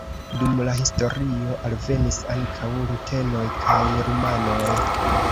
Dum la historio alvenis ankaŭ rutenoj kaj rumanoj.